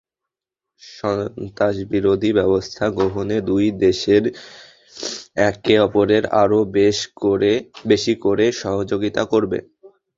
সন্ত্রাসবিরোধী ব্যবস্থা গ্রহণে দুই দেশই একে অপরকে আরও বেশি করে সহযোগিতা করবে।